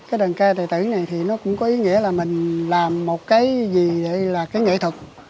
cái đơn ca tài tử này thì nó cũng có ý nghĩa là mình làm một cái gì vậy là cái nghệ thuật